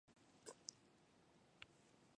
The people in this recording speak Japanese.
山形県鮭川村